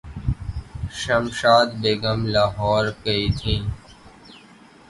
شمشاد بیگم لاہورکی تھیں۔